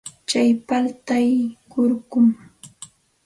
Tsay paltay kurkum.